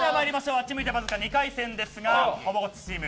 あっち向いてバズーカ２回戦ですがほぼごっつチーム